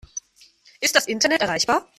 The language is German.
Ist das Internet erreichbar?